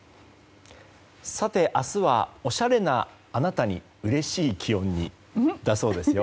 明日はおしゃれなあなたにうれしい気温に、だそうですよ。